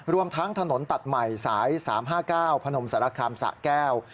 รวมทั้งถนนตัดใหม่สาย๓๕๙พนมสารคามสะแก้ว